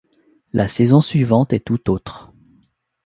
La saison suivante est tout autre.